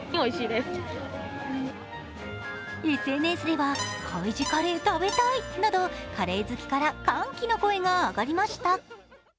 ＳＮＳでは海自カレー食べたいなどカレー好きから歓喜の声が上がりました。